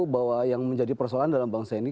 bahwa yang menjadi persoalan dalam bangsa ini